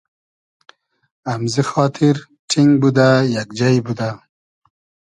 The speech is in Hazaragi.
امزی خاتیر ݖینگ بودۂ, یئگ جݷ بودۂ